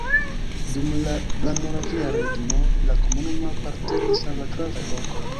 Dum la Grandmoravia Regno la komunumo apartenis al la gravaj lokoj.